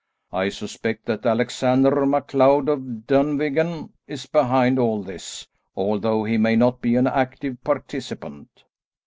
I suspect that Alexander MacLeod of Dunvegan is behind all this, although he may not be an active participant."